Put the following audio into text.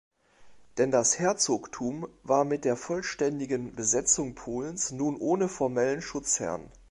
Denn das Herzogtum war mit der vollständigen Besetzung Polens nun ohne formellen „Schutzherrn“.